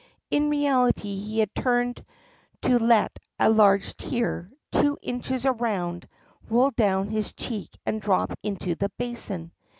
In reality he had turned to let a large tear, two inches around, roll down his cheek and drop into the basin.